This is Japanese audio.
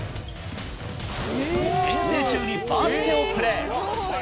遠征中にバスケをプレー。